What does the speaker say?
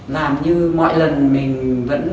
làm như mọi lần mình vẫn